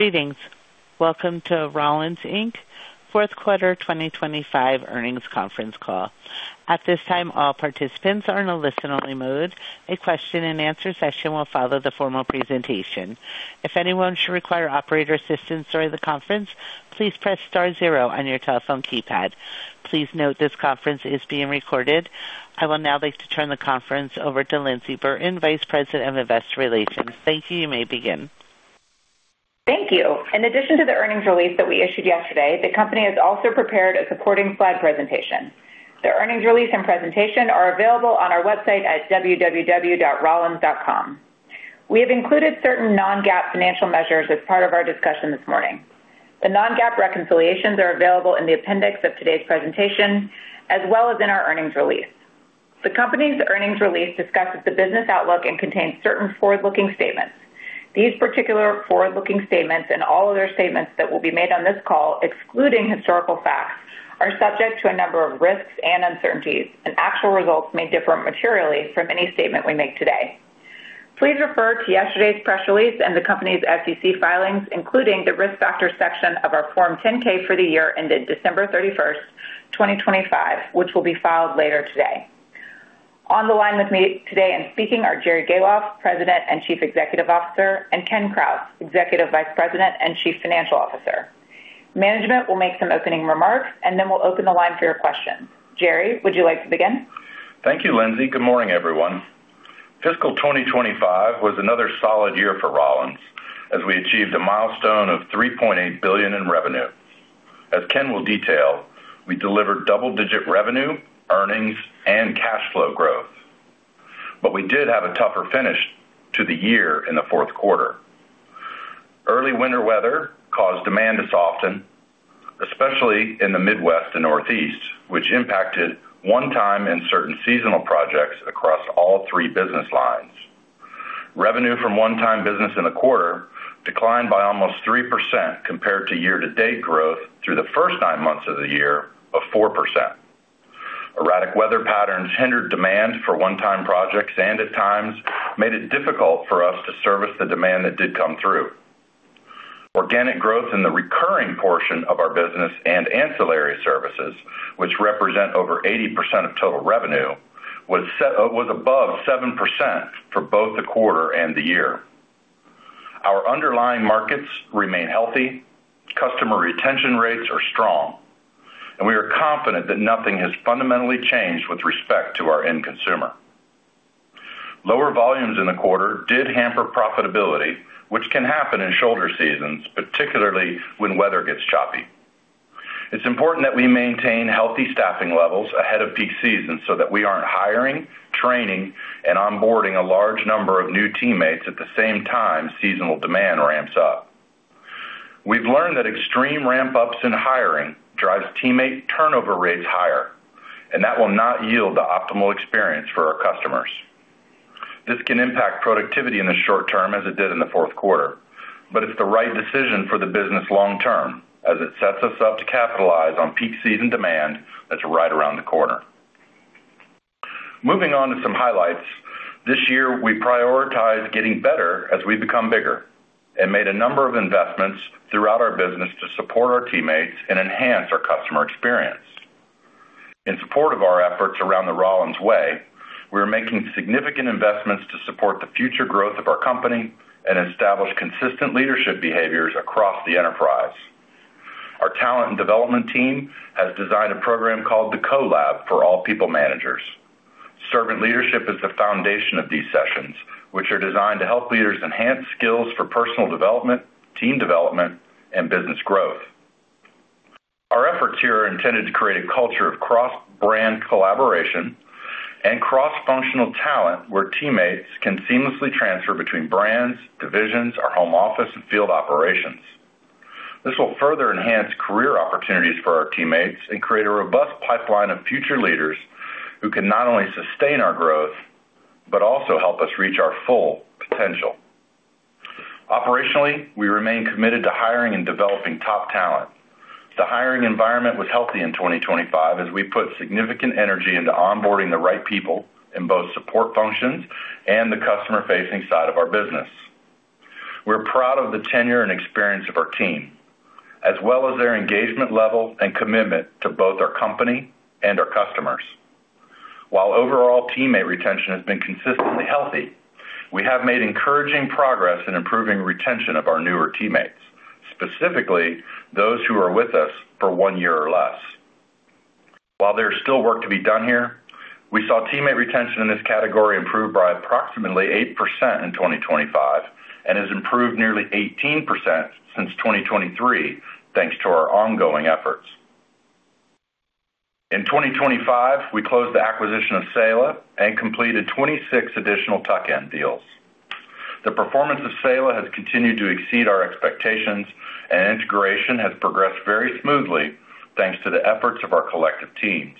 Greetings. Welcome to Rollins, Inc., fourth quarter 2025 earnings conference call. At this time, all participants are in a listen-only mode. A question-and-answer session will follow the formal presentation. If anyone should require operator assistance during the conference, please press star zero on your telephone keypad. Please note, this conference is being recorded. I will now like to turn the conference over to Lyndsey Burton, Vice President, Investor Relations. Thank you. You may begin. Thank you. In addition to the earnings release that we issued yesterday, the company has also prepared a supporting slide presentation. The earnings release and presentation are available on our website at www.rollins.com. We have included certain Non-GAAP financial measures as part of our discussion this morning. The Non-GAAP reconciliations are available in the appendix of today's presentation, as well as in our earnings release. The company's earnings release discusses the business outlook and contains certain forward-looking statements. These particular forward-looking statements and all other statements that will be made on this call, excluding historical facts, are subject to a number of risks and uncertainties, and actual results may differ materially from any statement we make today. Please refer to yesterday's press release and the company's SEC filings, including the Risk Factors section of our Form 10-K for the year ended December 31st, 2025, which will be filed later today. On the line with me today and speaking are Jerry Gahlhoff, President and Chief Executive Officer, and Ken Krause, Executive Vice President and Chief Financial Officer. Management will make some opening remarks, and then we'll open the line for your questions. Jerry, would you like to begin? Thank you, Lyndsey. Good morning, everyone. Fiscal 2025 was another solid year for Rollins, as we achieved a milestone of $3.8 billion in revenue. As Ken will detail, we delivered double-digit revenue, earnings, and cash flow growth, but we did have a tougher finish to the year in the fourth quarter. Early winter weather caused demand to soften, especially in the Midwest and Northeast, which impacted one-time and certain seasonal projects across all three business lines. Revenue from one-time business in the quarter declined by almost 3% compared to year-to-date growth through the first nine months of the year of 4%. Erratic weather patterns hindered demand for one-time projects and at times made it difficult for us to service the demand that did come through. Organic growth in the recurring portion of our business and ancillary services, which represent over 80% of total revenue, was above 7% for both the quarter and the year. Our underlying markets remain healthy, customer retention rates are strong, and we are confident that nothing has fundamentally changed with respect to our end consumer. Lower volumes in the quarter did hamper profitability, which can happen in shoulder seasons, particularly when weather gets choppy. It's important that we maintain healthy staffing levels ahead of peak season so that we aren't hiring, training, and onboarding a large number of new teammates at the same time seasonal demand ramps up. We've learned that extreme ramp-ups in hiring drives teammate turnover rates higher, and that will not yield the optimal experience for our customers. This can impact productivity in the short term, as it did in the fourth quarter, but it's the right decision for the business long term, as it sets us up to capitalize on peak season demand that's right around the corner. Moving on to some highlights. This year, we prioritized getting better as we become bigger and made a number of investments throughout our business to support our teammates and enhance our customer experience. In support of our efforts around the Rollins Way, we are making significant investments to support the future growth of our company and establish consistent leadership behaviors across the enterprise. Our talent and development team has designed a program called the Co-Lab for all people managers. Servant leadership is the foundation of these sessions, which are designed to help leaders enhance skills for personal development, team development, and business growth. Our efforts here are intended to create a culture of cross-brand collaboration and cross-functional talent, where teammates can seamlessly transfer between brands, divisions, our home office, and field operations. This will further enhance career opportunities for our teammates and create a robust pipeline of future leaders who can not only sustain our growth, but also help us reach our full potential. Operationally, we remain committed to hiring and developing top talent. The hiring environment was healthy in 2025 as we put significant energy into onboarding the right people in both support functions and the customer-facing side of our business. We're proud of the tenure and experience of our team, as well as their engagement level and commitment to both our company and our customers. While overall teammate retention has been consistently healthy, we have made encouraging progress in improving retention of our newer teammates, specifically those who are with us for one year or less. While there's still work to be done here, we saw teammate retention in this category improve by approximately 8% in 2025 and has improved nearly 18% since 2023, thanks to our ongoing efforts. In 2025, we closed the acquisition of Saela and completed 26 additional tuck-in deals. The performance of Saela has continued to exceed our expectations, and integration has progressed very smoothly, thanks to the efforts of our collective teams.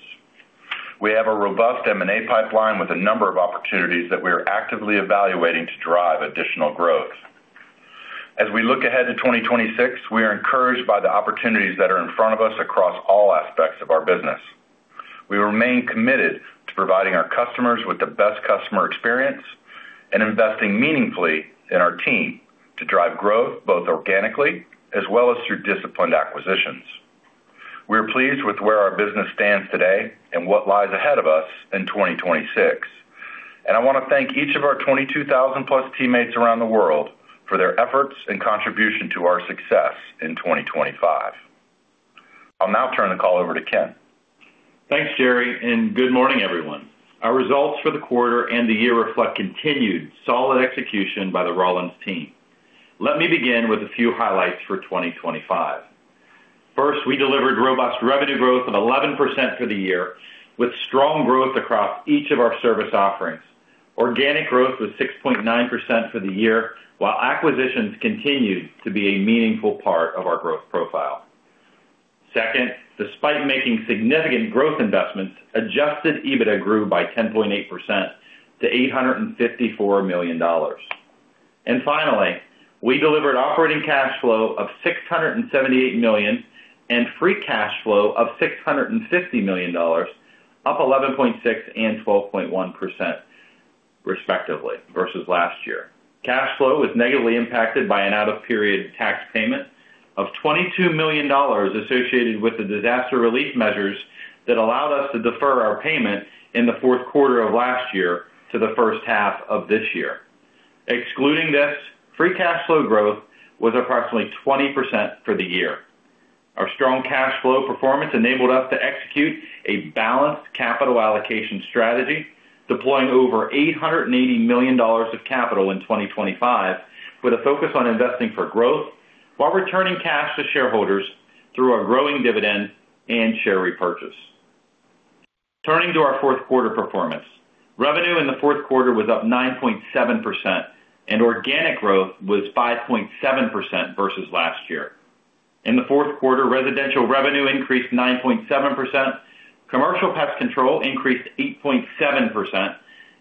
We have a robust M&A pipeline with a number of opportunities that we are actively evaluating to drive additional growth. As we look ahead to 2026, we are encouraged by the opportunities that are in front of us across all aspects of our business. We remain committed to providing our customers with the best customer experience and investing meaningfully in our team to drive growth, both organically as well as through disciplined acquisitions. We're pleased with where our business stands today and what lies ahead of us in 2026. I want to thank each of our 22,000+ teammates around the world for their efforts and contribution to our success in 2025. I'll now turn the call over to Ken. Thanks, Jerry, and good morning, everyone. Our results for the quarter and the year reflect continued solid execution by the Rollins team. Let me begin with a few highlights for 2025. First, we delivered robust revenue growth of 11% for the year, with strong growth across each of our service offerings. Organic growth was 6.9% for the year, while acquisitions continued to be a meaningful part of our growth profile. Second, despite making significant growth investments, Adjusted EBITDA grew by 10.8% to $854 million. Finally, we delivered operating cash flow of $678 million, and free cash flow of $650 million, up 11.6% and 12.1%, respectively, versus last year. Cash flow was negatively impacted by an out-of-period tax payment of $22 million associated with the disaster relief measures that allowed us to defer our payment in the fourth quarter of last year to the first half of this year. Excluding this, free cash flow growth was approximately 20% for the year. Our strong cash flow performance enabled us to execute a balanced capital allocation strategy, deploying over $880 million of capital in 2025, with a focus on investing for growth while returning cash to shareholders through our growing dividend and share repurchase. Turning to our fourth quarter performance. Revenue in the fourth quarter was up 9.7%, and organic growth was 5.7% versus last year. In the fourth quarter, residential revenue increased 9.7%, commercial pest control increased 8.7%,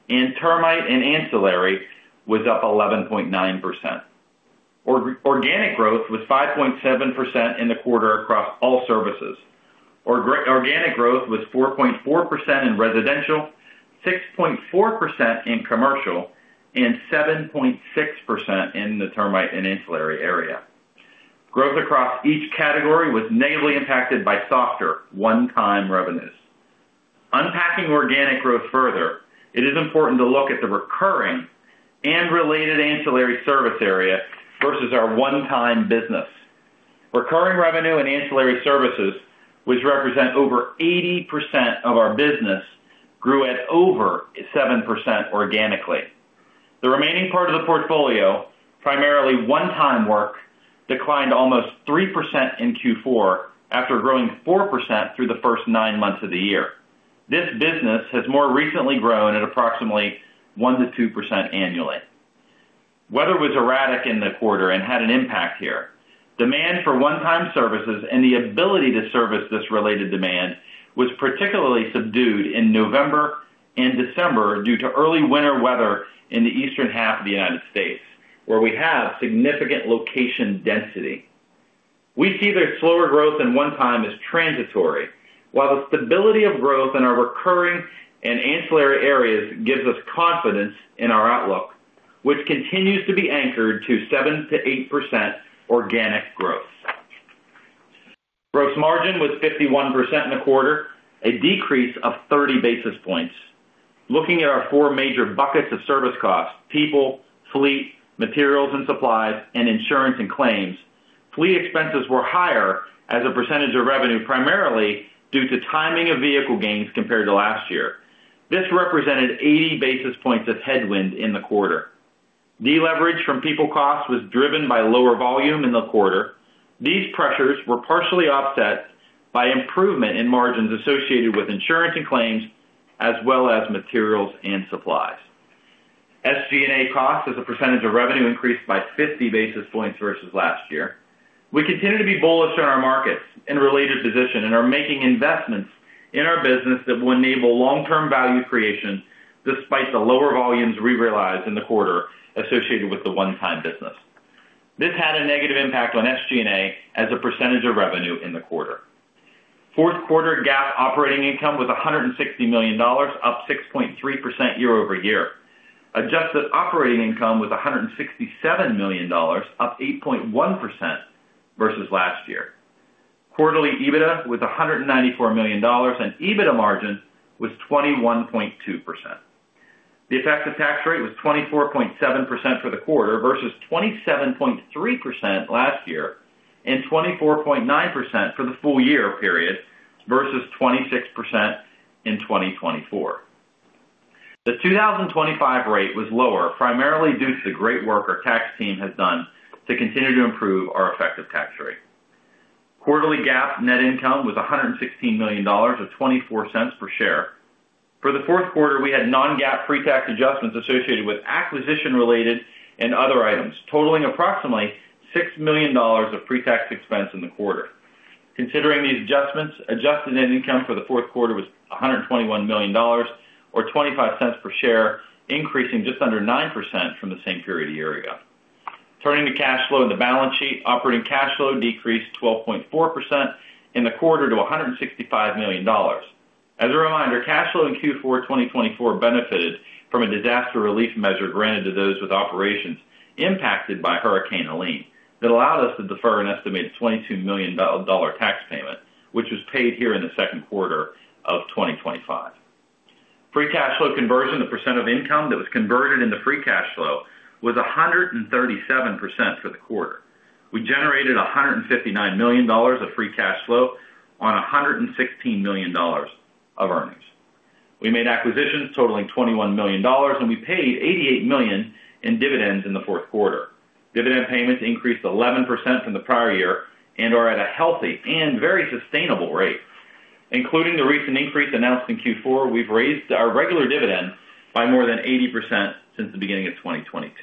and termite and ancillary was up 11.9%. Organic growth was 5.7% in the quarter across all services. Organic growth was 4.4% in residential, 6.4% in commercial, and 7.6% in the termite and ancillary area. Growth across each category was negatively impacted by softer one-time revenues. Unpacking organic growth further, it is important to look at the recurring and related ancillary service area versus our one-time business. Recurring revenue and ancillary services, which represent over 80% of our business, grew at over 7% organically. The remaining part of the portfolio, primarily one-time work, declined almost 3% in Q4, after growing 4% through the first nine months of the year. This business has more recently grown at approximately 1%-2% annually. Weather was erratic in the quarter and had an impact here. Demand for one-time services and the ability to service this related demand was particularly subdued in November and December due to early winter weather in the eastern half of the United States, where we have significant location density. We see their slower growth in one time as transitory, while the stability of growth in our recurring and ancillary areas gives us confidence in our outlook, which continues to be anchored to 7%-8% organic growth. Gross margin was 51% in the quarter, a decrease of 30 basis points. Looking at our four major buckets of service costs, people, fleet, materials and supplies, and insurance and claims, fleet expenses were higher as a percentage of revenue, primarily due to timing of vehicle gains compared to last year. This represented 80 basis points of headwind in the quarter. Deleverage from people costs was driven by lower volume in the quarter. These pressures were partially offset by improvement in margins associated with insurance and claims, as well as materials and supplies. SG&A costs, as a percentage of revenue, increased by 50 basis points versus last year. We continue to be bullish on our markets and related position, and are making investments in our business that will enable long-term value creation despite the lower volumes we realized in the quarter associated with the one-time business. This had a negative impact on SG&A as a percentage of revenue in the quarter. Fourth quarter GAAP operating income was $160 million, up 6.3% year-over-year. Adjusted operating income was $167 million, up 8.1% versus last year. Quarterly EBITDA was $194 million, and EBITDA margin was 21.2%. The effective tax rate was 24.7% for the quarter versus 27.3% last year, and 24.9% for the full year period versus 26% in 2024. The 2025 rate was lower, primarily due to the great work our tax team has done to continue to improve our effective tax rate. Quarterly GAAP net income was $116 million, or $0.24 per share. For the fourth quarter, we had Non-GAAP pre-tax adjustments associated with acquisition-related and other items, totaling approximately $6 million of pre-tax expense in the quarter. Considering these adjustments, adjusted net income for the fourth quarter was $121 million, or $0.25 per share, increasing just under 9% from the same period a year ago. Turning to cash flow and the balance sheet, operating cash flow decreased 12.4% in the quarter to $165 million. As a reminder, cash flow in Q4 2024 benefited from a disaster relief measure granted to those with operations impacted by Hurricane Helene. That allowed us to defer an estimated $22 million dollar tax payment, which was paid here in the second quarter of 2025. Free cash flow conversion, the percent of income that was converted into free cash flow, was 137% for the quarter. We generated $159 million of free cash flow on $116 million of earnings. We made acquisitions totaling $21 million, and we paid $88 million in dividends in the fourth quarter. Dividend payments increased 11% from the prior year and are at a healthy and very sustainable rate. Including the recent increase announced in Q4, we've raised our regular dividend by more than 80% since the beginning of 2022.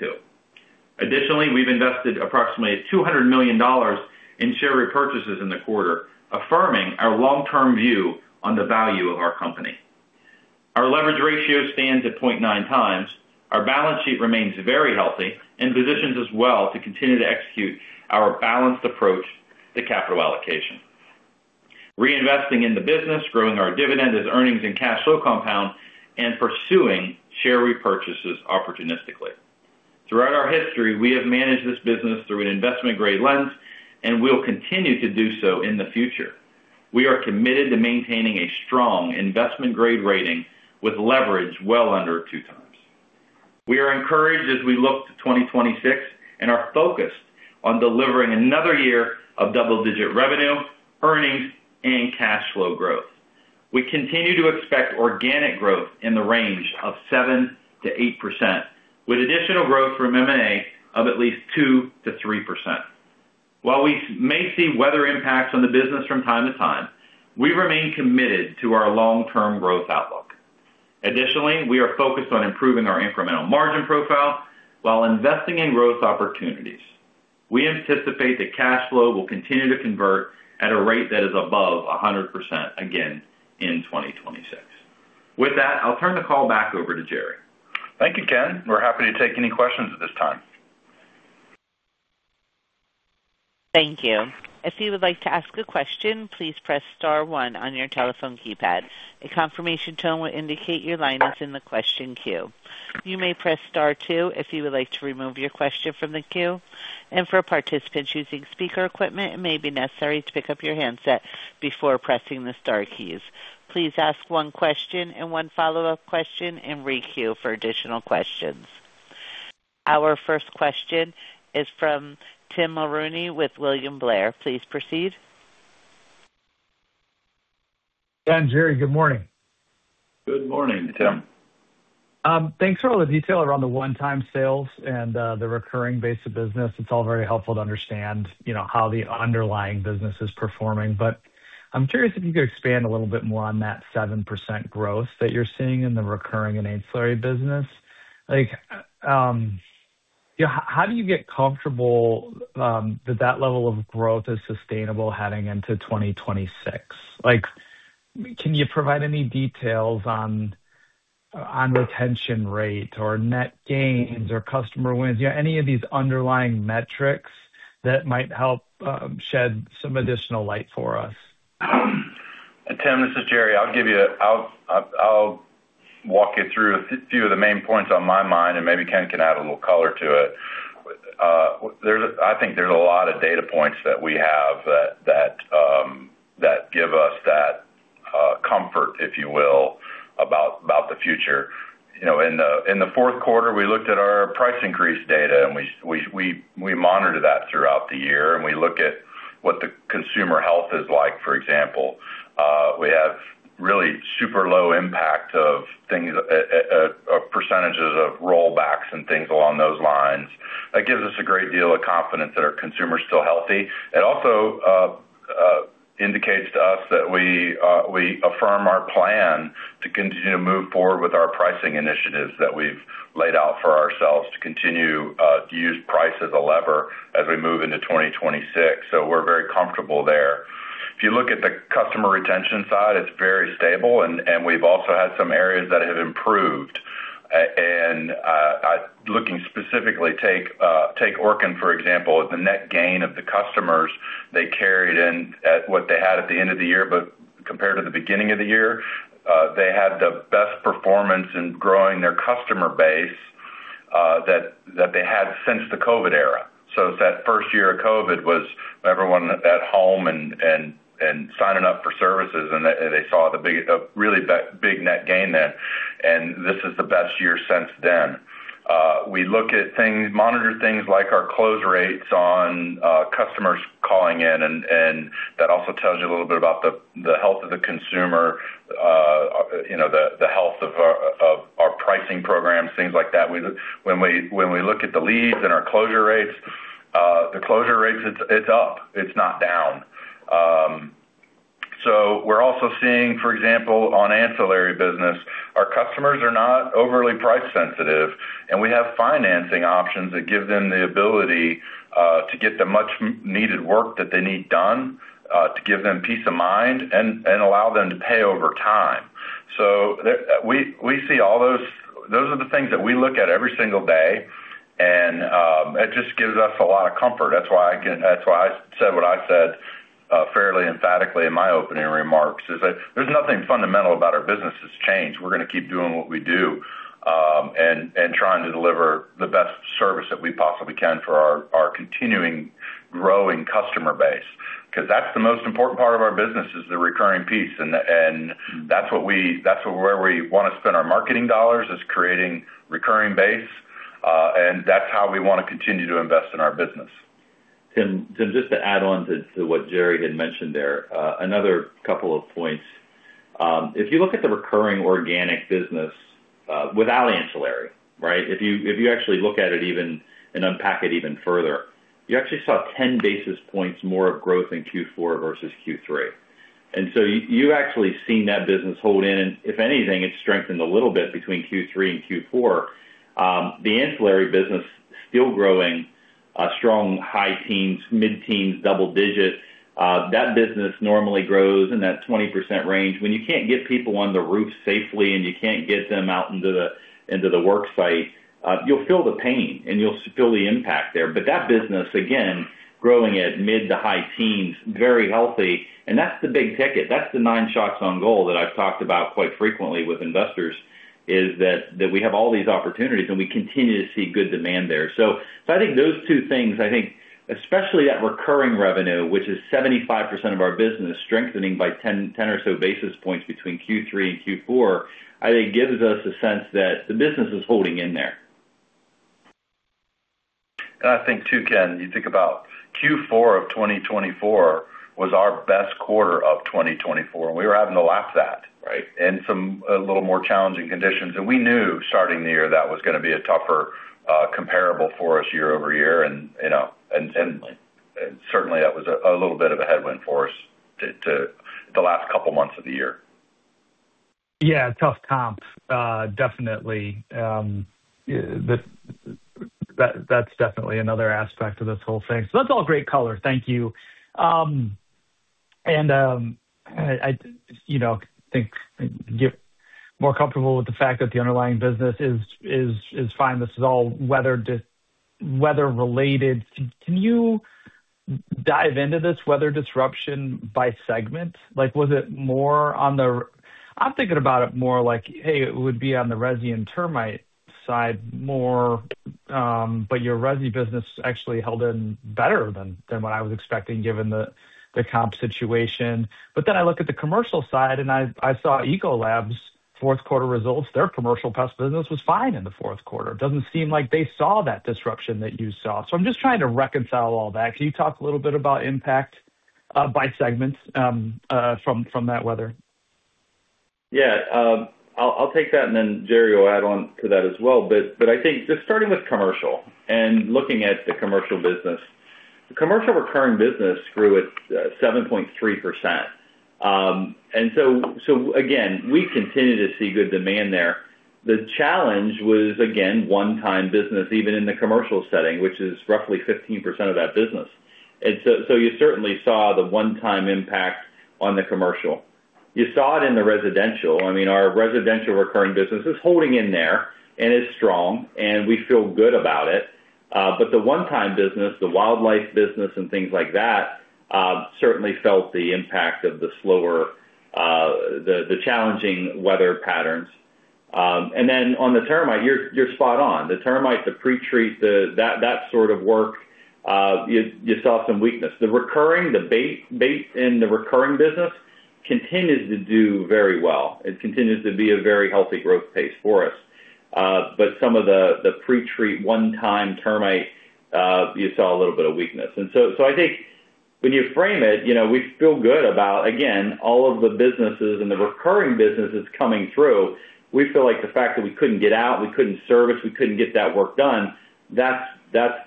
Additionally, we've invested approximately $200 million in share repurchases in the quarter, affirming our long-term view on the value of our company. Our leverage ratio stands at 0.9x. Our balance sheet remains very healthy and positions us well to continue to execute our balanced approach to capital allocation. Reinvesting in the business, growing our dividend as earnings and cash flow compound, and pursuing share repurchases opportunistically. Throughout our history, we have managed this business through an investment-grade lens, and we'll continue to do so in the future. We are committed to maintaining a strong investment-grade rating with leverage well under 2x. We are encouraged as we look to 2026 and are focused on delivering another year of double-digit revenue, earnings, and cash flow growth. We continue to expect organic growth in the range of 7%-8%, with additional growth from M&A of at least 2%-3%. While we may see weather impacts on the business from time to time, we remain committed to our long-term growth outlook. Additionally, we are focused on improving our incremental margin profile while investing in growth opportunities. We anticipate that cash flow will continue to convert at a rate that is above 100% again in 2026. With that, I'll turn the call back over to Jerry. Thank you, Ken. We're happy to take any questions at this time. Thank you. If you would like to ask a question, please press star one on your telephone keypad. A confirmation tone will indicate your line is in the question queue. You may press star two if you would like to remove your question from the queue, and for participants using speaker equipment, it may be necessary to pick up your handset before pressing the star keys. Please ask one question and one follow-up question and re queue for additional questions. Our first question is from Tim Mulrooney with William Blair. Please proceed. Ken, Jerry, good morning. Good morning, Tim. Thanks for all the detail around the one-time sales and the recurring base of business. It's all very helpful to understand, you know, how the underlying business is performing. But I'm curious if you could expand a little bit more on that 7% growth that you're seeing in the recurring and ancillary business. Like, you know, how do you get comfortable that that level of growth is sustainable heading into 2026? Like, can you provide any details on retention rate or net gains or customer wins? You know, any of these underlying metrics that might help shed some additional light for us? Tim, this is Jerry. I'll give you a few of the main points on my mind, and maybe Ken can add a little color to it. I think there's a lot of data points that we have that give us that comfort, if you will, about the future. You know, in the fourth quarter, we looked at our price increase data, and we monitored that throughout the year, and we look at what the consumer health is like, for example. We have really super low impact of things of percentages of rollbacks and things along those lines. That gives us a great deal of confidence that our consumer is still healthy. It also indicates to us that we affirm our plan to continue to move forward with our pricing initiatives that we've laid out for ourselves to continue to use price as a lever as we move into 2026. So we're very comfortable there. If you look at the customer retention side, it's very stable, and we've also had some areas that have improved. And looking specifically, take Orkin, for example, the net gain of the customers they carried and what they had at the end of the year, but compared to the beginning of the year, they had the best performance in growing their customer base that they had since the COVID era. So it's that first year of COVID was everyone at home and signing up for services, and they saw a really big net gain then, and this is the best year since then. We monitor things like our close rates on customers calling in, and that also tells you a little bit about the health of the consumer, you know, the health of our pricing programs, things like that. When we look at the leads and our closure rates, the closure rates, it's up, it's not down. So we're also seeing, for example, on ancillary business, our customers are not overly price sensitive, and we have financing options that give them the ability to get the much needed work that they need done to give them peace of mind and allow them to pay over time. So there, we see all those. Those are the things that we look at every single day, and it just gives us a lot of comfort. That's why I said what I said fairly emphatically in my opening remarks, is that there's nothing fundamental about our business has changed. We're gonna keep doing what we do, and trying to deliver the best service that we possibly can for our continuing growing customer base, because that's the most important part of our business, is the recurring piece. That's where we wanna spend our marketing dollars, is creating recurring base, and that's how we wanna continue to invest in our business. Tim, Tim, just to add on to what Jerry had mentioned there, another couple of points. If you look at the recurring organic business, without ancillary, right? If you actually look at it even, and unpack it even further, you actually saw ten basis points more of growth in Q4 versus Q3. And so you, you've actually seen that business hold in, and if anything, it's strengthened a little bit between Q3 and Q4. The ancillary business still growing strong, high teens, mid-teen, double digits. That business normally grows in that 20% range. When you can't get people on the roof safely, and you can't get them out into the work site, you'll feel the pain and you'll feel the impact there. But that business, again, growing at mid- to high-teens, very healthy, and that's the big ticket. That's the nine shots on goal that I've talked about quite frequently with investors, is that, that we have all these opportunities, and we continue to see good demand there. So I think those two things, I think, especially that recurring revenue, which is 75% of our business, strengthening by 10, 10 or so basis points between Q3 and Q4, I think gives us a sense that the business is holding in there. I think, too, Ken, you think about Q4 of 2024 was our best quarter of 2024, and we were having to lap at, right? And some a little more challenging conditions. We knew starting the year that was gonna be a tougher comparable for us year-over-year, you know, and certainly that was a little bit of a headwind for us to the last couple of months of the year. Yeah, tough comps, definitely. Yeah, that, that's definitely another aspect of this whole thing. So that's all great color. Thank you. I, you know, think get more comfortable with the fact that the underlying business is fine. This is all weather-related. Can you dive into this weather disruption by segment? Like, was it more on the. I'm thinking about it more like, hey, it would be on the resi and termite side more, but your resi business actually held in better than what I was expecting, given the comp situation. But then I looked at the commercial side, and I saw Ecolab's fourth quarter results. Their commercial pest business was fine in the fourth quarter. It doesn't seem like they saw that disruption that you saw. So I'm just trying to reconcile all that. Can you talk a little bit about impact by segments from that weather? Yeah, I'll take that, and then Jerry will add on to that as well. But I think just starting with commercial and looking at the commercial business, the commercial recurring business grew at 7.3%. And so again, we continue to see good demand there. The challenge was, again, one-time business, even in the commercial setting, which is roughly 15% of that business. And so you certainly saw the one-time impact on the commercial. You saw it in the residential. I mean, our residential recurring business is holding in there, and it's strong, and we feel good about it. But the one-time business, the wildlife business and things like that, certainly felt the impact of the slower, the challenging weather patterns. And then on the termite, you're spot on. The termite, the pretreat, that sort of work, you saw some weakness. The recurring base in the recurring business continues to do very well and continues to be a very healthy growth pace for us. But some of the pretreat, one-time termite, you saw a little bit of weakness. And so, I think when you frame it, you know, we feel good about, again, all of the businesses and the recurring businesses coming through. We feel like the fact that we couldn't get out, we couldn't service, we couldn't get that work done, that's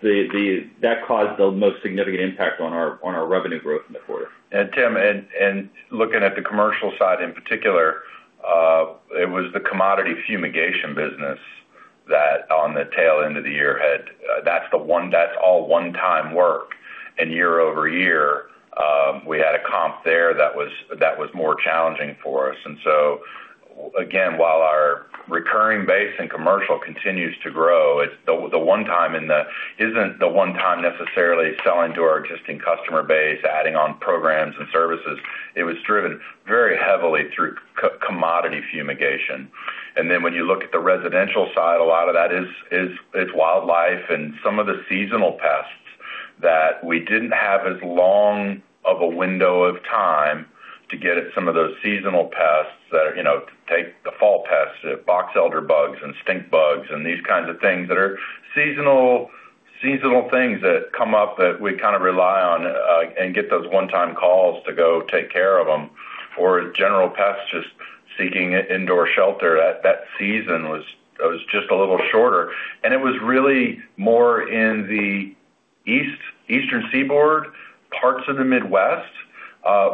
the that caused the most significant impact on our revenue growth in the quarter. And Tim, looking at the commercial side in particular, it was the commodity fumigation business that on the tail end of the year had. That's the one—that's all one-time work. And year-over-year, we had a comp there that was, that was more challenging for us. And so again, while our recurring base and commercial continues to grow, it's the, the one time in the— isn't the one time necessarily selling to our existing customer base, adding on programs and services. It was driven very heavily through commodity fumigation. And then when you look at the residential side, a lot of that is wildlife and some of the seasonal pests that we didn't have as long of a window of time to get at some of those seasonal pests that, you know, take the fall pests, boxelder bugs and stink bugs, and these kinds of things that are seasonal, seasonal things that come up that we kind of rely on and get those one-time calls to go take care of them, or general pests just seeking indoor shelter. That season was just a little shorter, and it was really more in the Eastern Seaboard, parts of the Midwest.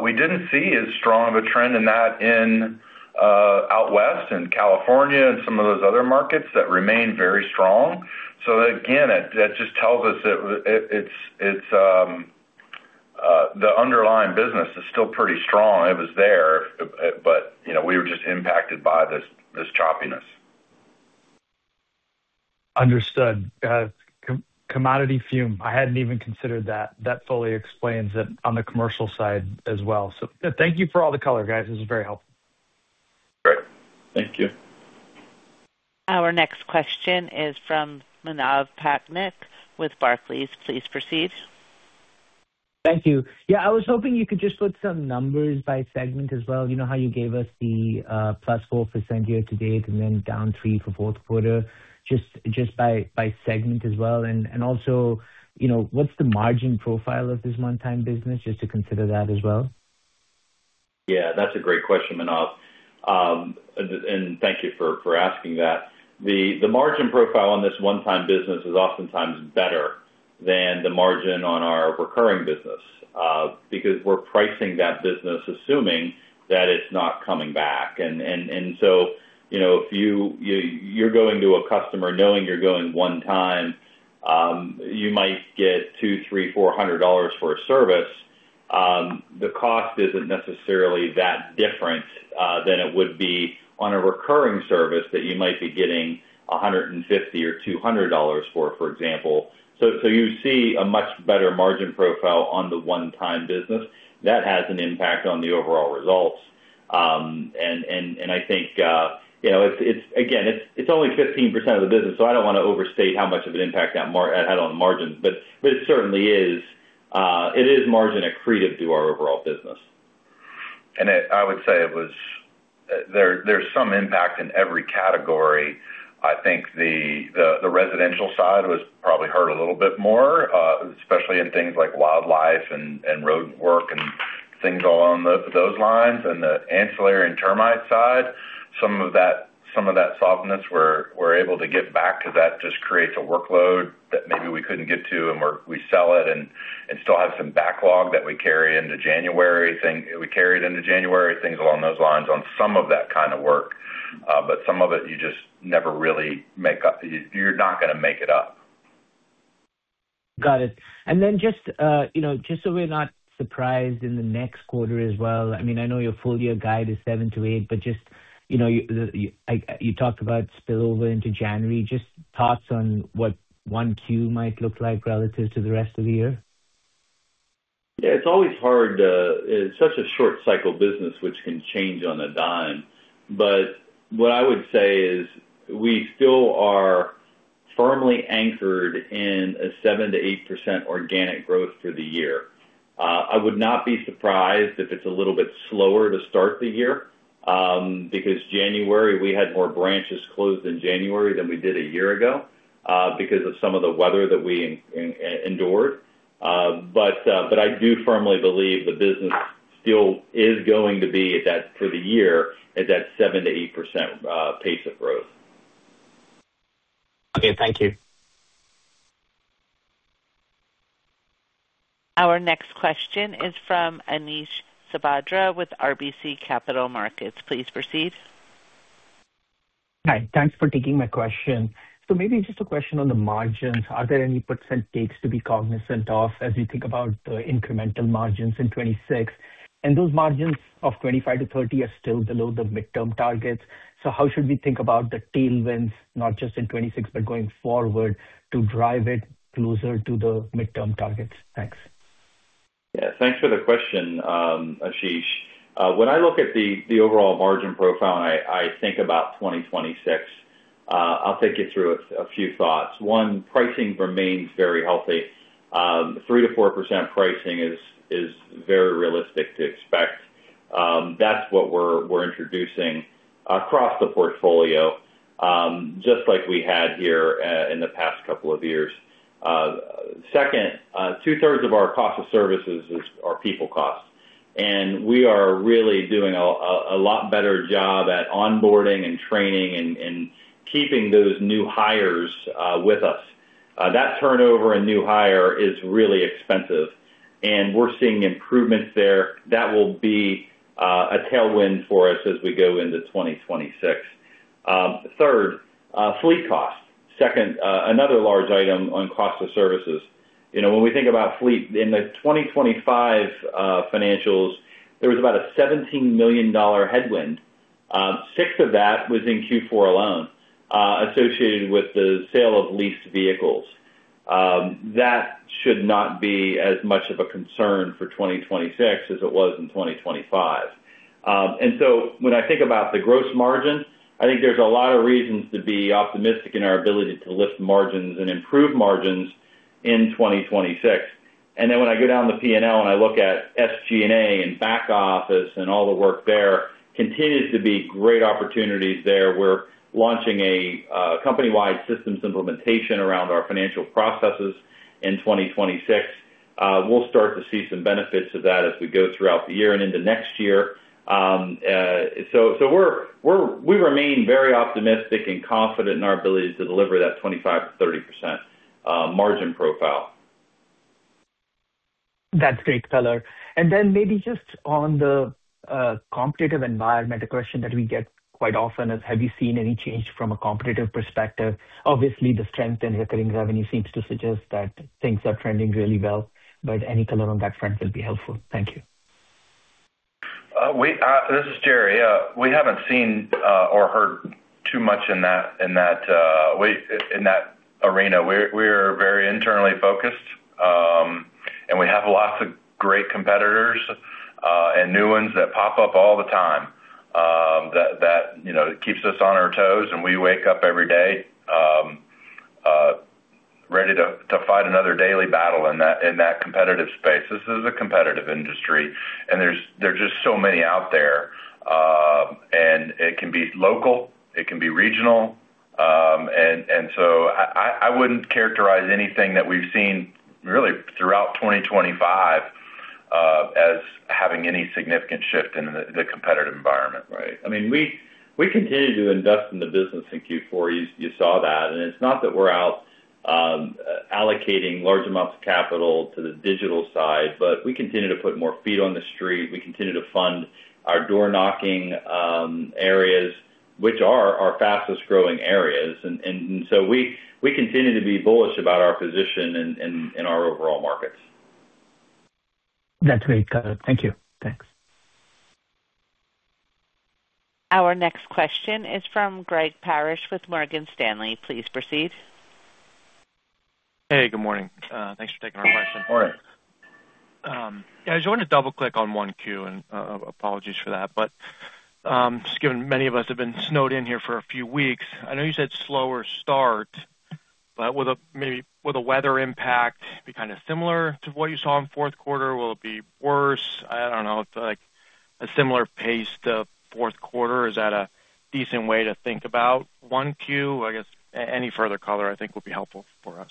We didn't see as strong of a trend in that in out West, in California and some of those other markets that remain very strong. So again, that just tells us that it's. The underlying business is still pretty strong. It was there, but, you know, we were just impacted by this choppiness. Understood. Commodity fume, I hadn't even considered that. That fully explains it on the commercial side as well. So thank you for all the color, guys. This is very helpful. Great. Thank you. Our next question is from Manav Patnaik with Barclays. Please proceed. Thank you. Yeah, I was hoping you could just put some numbers by segment as well. You know how you gave us the 4%+ year-to-date, and then down 3% for fourth quarter, just by segment as well. And also, you know, what's the margin profile of this one-time business? Just to consider that as well. Yeah, that's a great question, Manav. Thank you for asking that. The margin profile on this one-time business is oftentimes better than the margin on our recurring business, because we're pricing that business, assuming that it's not coming back. And so, you know, if you're going to a customer knowing you're going one time, you might get $200, $300, $400 for a service. The cost isn't necessarily that different than it would be on a recurring service that you might be getting $150 or $200 for, for example. So you see a much better margin profile on the one-time business. That has an impact on the overall results. I think, you know, it's again, it's only 15% of the business, so I don't want to overstate how much of an impact that margin it had on the margins, but it certainly is. It is margin accretive to our overall business. I would say it was there. There's some impact in every category. I think the residential side was probably hurt a little bit more, especially in things like wildlife and roadwork and things along those lines. And the ancillary and termite side, some of that softness we're able to get back to that just creates a workload that maybe we couldn't get to, and we sell it and still have some backlog that we carry into January, we carried into January, things along those lines on some of that kind of work. But some of it, you just never really make up. You're not gonna make it up. Got it. And then just, you know, just so we're not surprised in the next quarter as well, I mean, I know your full year guide is 7%-8%, but just, you know, like, you talked about spillover into January, just thoughts on what 1Q might look like relative to the rest of the year? Yeah, it's always hard to. It's such a short cycle business, which can change on a dime. But what I would say is, we still are firmly anchored in a 7%-8% organic growth for the year. I would not be surprised if it's a little bit slower to start the year, because January, we had more branches closed in January than we did a year ago, because of some of the weather that we endured. But I do firmly believe the business still is going to be at that for the year, at that 7%-8% pace of growth. Okay, thank you. Our next question is from Ashish Sabadra, with RBC Capital Markets. Please proceed. Hi. Thanks for taking my question. So maybe just a question on the margins. Are there any percent takes to be cognizant of as you think about the incremental margins in 2026? And those margins of 25%-30% are still below the midterm targets, so how should we think about the tailwinds, not just in 2026, but going forward, to drive it closer to the midterm targets? Thanks. Yeah, thanks for the question, Ashish. When I look at the overall margin profile, and I think about 2026, I'll take you through a few thoughts. One, pricing remains very healthy. 3%-4% pricing is very realistic to expect. That's what we're introducing across the portfolio, just like we had here in the past couple of years. Second, 2/3 of our cost of services is our people cost, and we are really doing a lot better job at onboarding and training and keeping those new hires with us. That turnover and new hire is really expensive, and we're seeing improvements there. That will be a tailwind for us as we go into 2026. Third, fleet costs. Second, another large item on cost of services. You know, when we think about fleet, in the 2025 financials, there was about a $17 million headwind. Six of that was in Q4 alone, associated with the sale of leased vehicles. That should not be as much of a concern for 2026 as it was in 2025. And so when I think about the gross margin, I think there's a lot of reasons to be optimistic in our ability to lift margins and improve margins in 2026. And then when I go down the P&L and I look at SG&A and back office and all the work there, continues to be great opportunities there. We're launching a company-wide systems implementation around our financial processes in 2026. We'll start to see some benefits of that as we go throughout the year and into next year. We remain very optimistic and confident in our ability to deliver that 25%-30% margin profile. That's great color. And then maybe just on the competitive environment, a question that we get quite often is: Have you seen any change from a competitive perspective? Obviously, the strength in recurring revenue seems to suggest that things are trending really well, but any color on that front will be helpful. Thank you. This is Jerry. We haven't seen or heard too much in that arena. We're very internally focused, and we have lots of great competitors and new ones that pop up all the time, you know, that keeps us on our toes, and we wake up every day ready to fight another daily battle in that competitive space. This is a competitive industry, and there's just so many out there. And it can be local, it can be regional. And so I wouldn't characterize anything that we've seen really throughout 2025 as having any significant shift in the competitive environment. I mean, we continue to invest in the business in Q4. You saw that, and it's not that we're out allocating large amounts of capital to the digital side, but we continue to put more feet on the street. We continue to fund our door-knocking areas, which are our fastest-growing areas. And so we continue to be bullish about our position in our overall markets. That's great. Got it. Thank you. Thanks. Our next question is from Greg Parrish with Morgan Stanley. Please proceed. Hey, good morning. Thanks for taking our question. Morning. Yeah, I just wanted to double-click on one Q, and apologies for that. But just given many of us have been snowed in here for a few weeks, I know you said slower start, but would maybe the weather impact be kind of similar to what you saw in fourth quarter? Will it be worse? I don't know, like, a similar pace to fourth quarter, is that a decent way to think about one Q? I guess any further color, I think, would be helpful for us.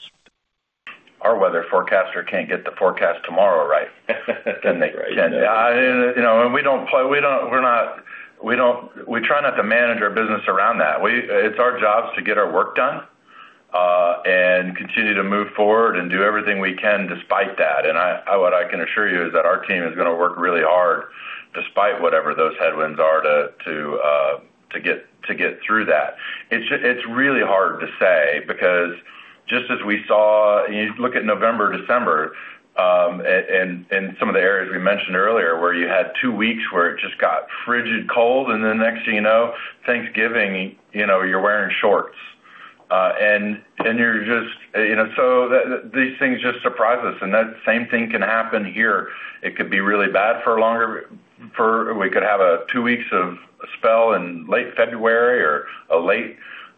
Our weather forecaster can't get the forecast tomorrow right. Can they? Right. Yeah, you know, we try not to manage our business around that. It's our jobs to get our work done and continue to move forward and do everything we can despite that. And what I can assure you is that our team is gonna work really hard despite whatever those headwinds are to get through that. It's just really hard to say because just as we saw. You look at November, December, and some of the areas we mentioned earlier, where you had two weeks where it just got frigid cold, and then next thing you know, Thanksgiving, you know, you're wearing shorts. And you're just, you know, so these things just surprise us, and that same thing can happen here. It could be really bad for a longer. We could have two weeks of spell in late February or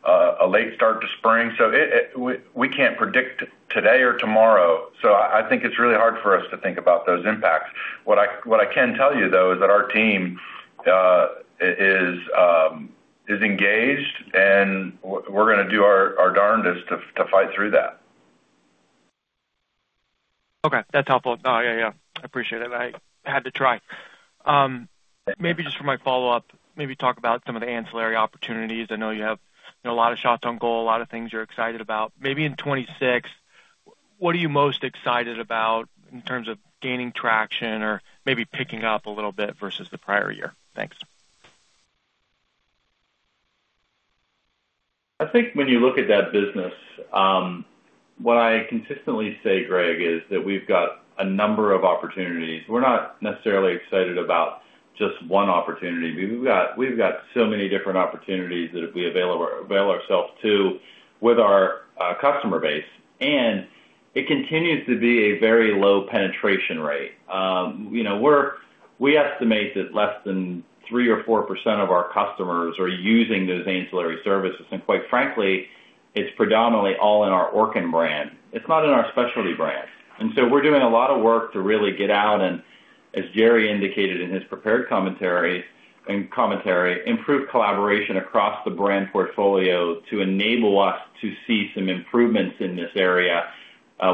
a late start to spring. So we can't predict today or tomorrow, so I think it's really hard for us to think about those impacts. What I can tell you, though, is that our team is engaged, and we're gonna do our darndest to fight through that. Okay. That's helpful. Oh, yeah, yeah. I appreciate it. I had to try. Maybe just for my follow-up, maybe talk about some of the ancillary opportunities. I know you have, you know, a lot of shots on goal, a lot of things you're excited about. Maybe in 2026, what are you most excited about in terms of gaining traction or maybe picking up a little bit versus the prior year? Thanks. I think when you look at that business, what I consistently say, Greg, is that we've got a number of opportunities. We're not necessarily excited about just one opportunity. We've got, we've got so many different opportunities that if we avail ourselves of our customer base, and it continues to be a very low penetration rate. You know, we estimate that less than 3% or 4% of our customers are using those ancillary services, and quite frankly, it's predominantly all in our Orkin brand. It's not in our specialty brand. And so we're doing a lot of work to really get out, and as Jerry indicated in his prepared commentary, improve collaboration across the brand portfolio to enable us to see some improvements in this area,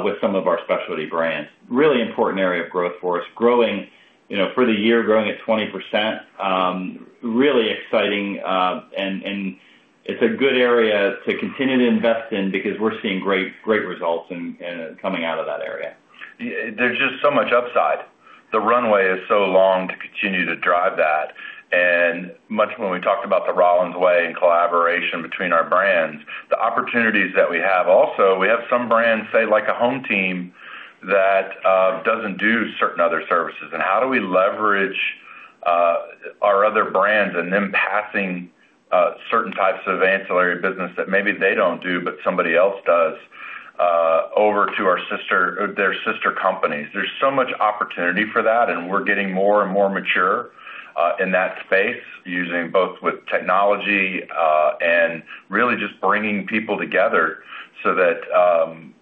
with some of our specialty brands. Really important area of growth for us. Growing, you know, for the year, growing at 20%, really exciting, and it's a good area to continue to invest in because we're seeing great, great results in coming out of that area. There's just so much upside. The runway is so long to continue to drive that. And much when we talked about the Rollins way and collaboration between our brands, the opportunities that we have also, we have some brands, say, like HomeTeam, that doesn't do certain other services. And how do we leverage our other brands and them passing certain types of ancillary business that maybe they don't do, but somebody else does over to our sister, their sister companies? There's so much opportunity for that, and we're getting more and more mature in that space, using both with technology and really just bringing people together so that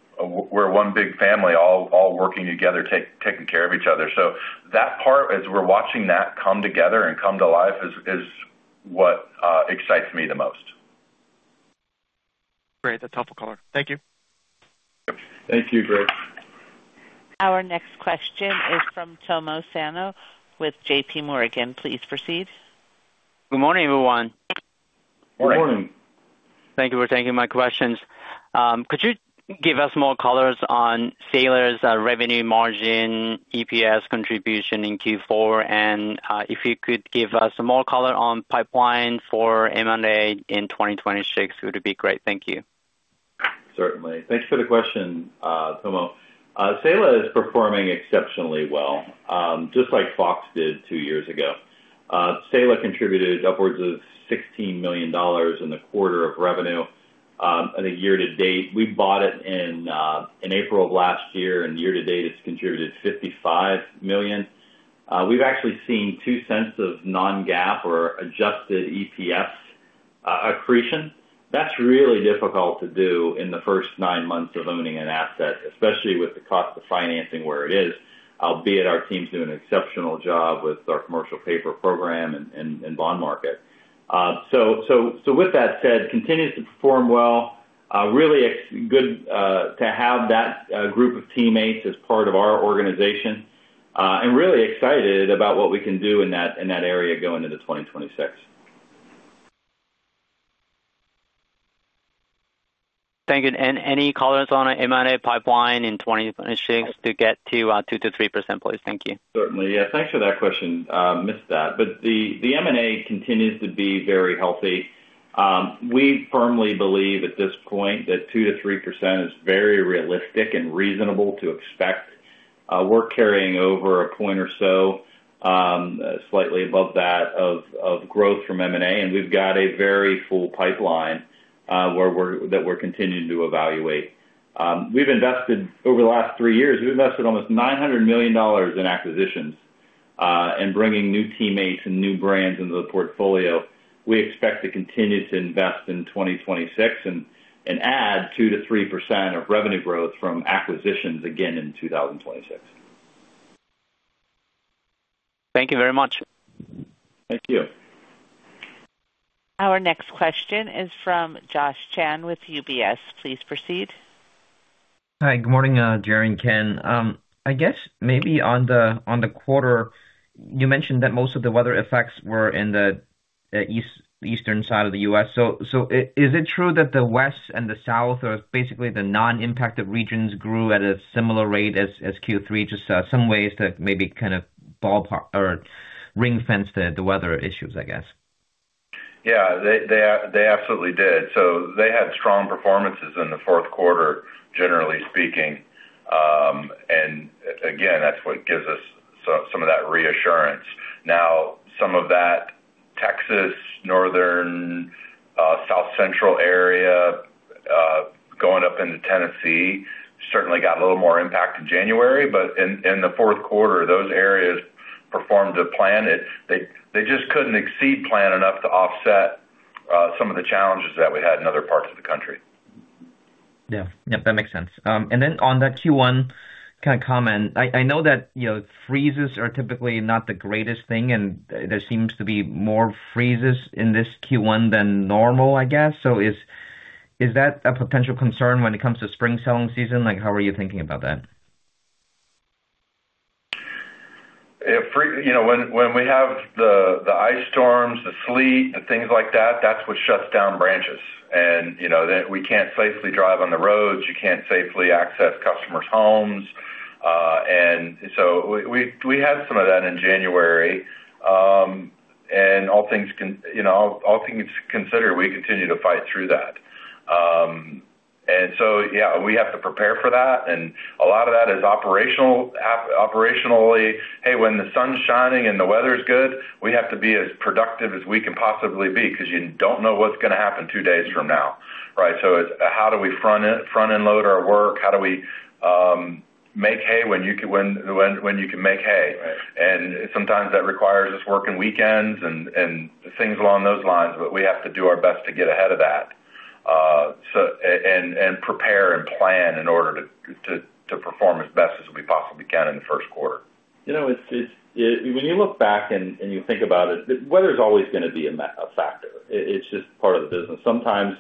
we're one big family, all working together, taking care of each other. So that part, as we're watching that come together and come to life, is what excites me the most. Great. That's a helpful color. Thank you. Thank you, Greg. Our next question is from Tomo Sano with JPMorgan. Please proceed. Good morning, everyone. Good morning. Thank you for taking my questions. Could you give us more colors on Saela's revenue margin, EPS contribution in Q4? And, if you could give us more color on pipeline for M&A in 2026, it would be great. Thank you. Certainly. Thanks for the question, Tomo. Saela is performing exceptionally well, just like Fox did two years ago. Saela contributed upwards of $16 million in the quarter of revenue, at a year to date. We bought it in April of last year, and year to date, it's contributed $55 million. We've actually seen two cents of non-GAAP or adjusted EPS, accretion. That's really difficult to do in the first nine months of owning an asset, especially with the cost of financing where it is, albeit our team's doing an exceptional job with our commercial paper program and bond market. So with that said, continues to perform well. Really good to have that group of teammates as part of our organization. I'm really excited about what we can do in that, in that area going into 2026. Thank you. Any comments on M&A pipeline in 2026 to get to 2%-3%, please? Thank you. Certainly. Yeah, thanks for that question. Missed that. But the M&A continues to be very healthy. We firmly believe at this point that 2%-3% is very realistic and reasonable to expect. We're carrying over a point or so, slightly above that, of growth from M&A, and we've got a very full pipeline where we're continuing to evaluate. We've invested over the last three years almost $900 million in acquisitions, and bringing new teammates and new brands into the portfolio. We expect to continue to invest in 2026 and add 2%-3% of revenue growth from acquisitions again in 2026. Thank you very much. Thank you. Our next question is from Josh Chan with UBS. Please proceed. Hi, good morning, Jerry and Ken. I guess maybe on the quarter, you mentioned that most of the weather effects were in the Eastern side of the U.S. So, is it true that the West and the South, or basically the non-impacted regions, grew at a similar rate as Q3? Just some ways to maybe kind of ballpark or ring-fence the weather issues, I guess. Yeah, they absolutely did. So they had strong performances in the fourth quarter, generally speaking. And again, that's what gives us some of that reassurance. Now, some of that Texas, Northern, South Central area, going up into Tennessee, certainly got a little more impact in January, but in the fourth quarter, those areas performed to plan. They just couldn't exceed plan enough to offset some of the challenges that we had in other parts of the country. Yeah. Yep, that makes sense. And then on the Q1 kind of comment, I know that, you know, freezes are typically not the greatest thing, and there seems to be more freezes in this Q1 than normal, I guess. So is that a potential concern when it comes to spring selling season? Like, how are you thinking about that? You know, when we have the ice storms, the sleet, and things like that, that's what shuts down branches. And, you know, then we can't safely drive on the roads, you can't safely access customers' homes. And so we had some of that in January. And, you know, all things considered, we continue to fight through that. And so, yeah, we have to prepare for that, and a lot of that is operational, operationally. Hey, when the sun's shining and the weather's good, we have to be as productive as we can possibly be, because you don't know what's gonna happen two days from now, right? So it's how do we front-end load our work? How do we make hay when you can make hay? Sometimes that requires us working weekends and things along those lines, but we have to do our best to get ahead of that and prepare and plan in order to perform as best as we possibly can in the first quarter. You know, it's. When you look back and you think about it, the weather's always gonna be a factor. It's just part of the business. Sometimes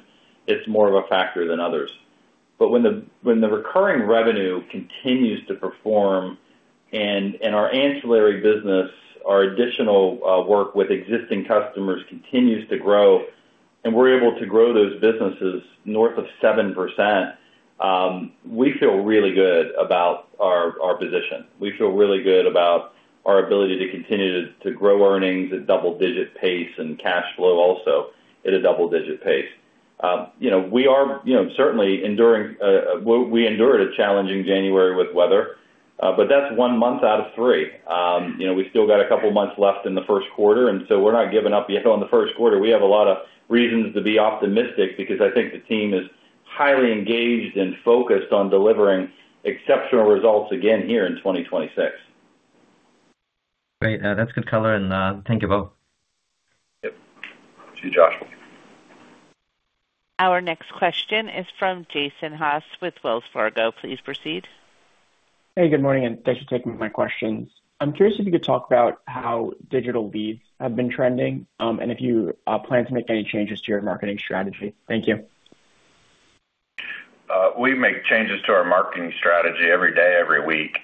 it's more of a factor than others. But when the recurring revenue continues to perform and our ancillary business, our additional work with existing customers continues to grow, and we're able to grow those businesses North of 7%, we feel really good about our position. We feel really good about our ability to continue to grow earnings at double-digit pace and cash flow also at a double-digit pace. You know, we are certainly enduring. We endured a challenging January with weather, but that's one month out of three. You know, we still got a couple of months left in the first quarter, and so we're not giving up yet on the first quarter. We have a lot of reasons to be optimistic because I think the team is highly engaged and focused on delivering exceptional results again here in 2026. Great. That's good color, and thank you both. Yep. See you, Josh. Our next question is from Jason Haas with Wells Fargo. Please proceed. Hey, good morning, and thanks for taking my questions. I'm curious if you could talk about how digital leads have been trending, and if you plan to make any changes to your marketing strategy. Thank you. We make changes to our marketing strategy every day, every week.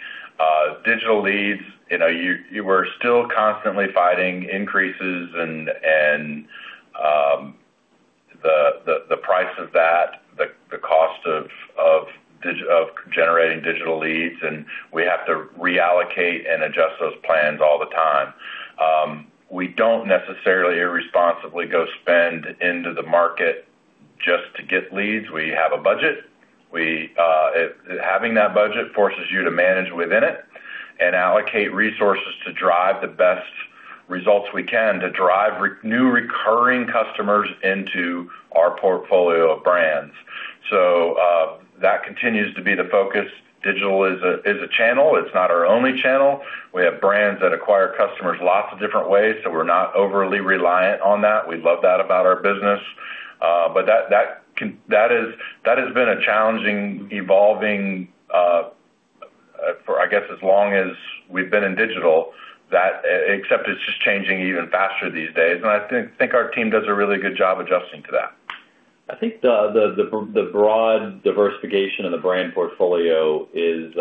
Digital leads, you know, you are still constantly fighting increases and, and, the price of that, the cost of generating digital leads, and we have to reallocate and adjust those plans all the time. We don't necessarily irresponsibly go spend into the market just to get leads. We have a budget. We, having that budget forces you to manage within it and allocate resources to drive the best results we can, to drive new recurring customers into our portfolio of brands. So, that continues to be the focus. Digital is a channel. It's not our only channel. We have brands that acquire customers lots of different ways, so we're not overly reliant on that. We love that about our business. But that—that is, that has been a challenging, evolving for, I guess, as long as we've been in digital, that except it's just changing even faster these days, and I think our team does a really good job adjusting to that. I think the broad diversification of the brand portfolio is